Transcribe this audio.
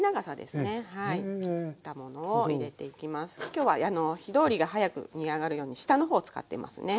今日は火通りが早く煮上がるように下の方使ってますね。